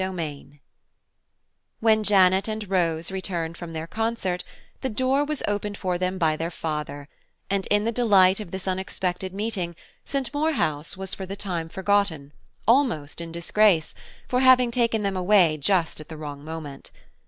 CHAPTER XV WHEN Janet and Rose returned from their concert, the door was opened for them by their father, and in the delight of this unexpected meeting, St. Maur House was for the time forgotten, almost in disgrace, for having taken them away just at the wrong moment.